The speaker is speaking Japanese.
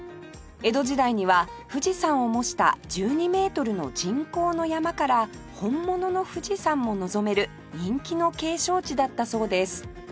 江戸時代には富士山を模した１２メートルの人工の山から本物の富士山も望める人気の景勝地だったそうです